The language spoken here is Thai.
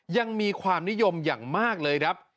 ยังมีความนิยมอย่างมากเลยครับ